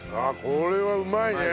これはうまいね！